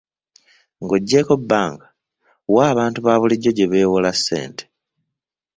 Ng'oggyeeko bbanka, wa abantu baabulijjo gye beewola ssente?